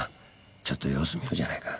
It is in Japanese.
ちょっと様子見ようじゃないか。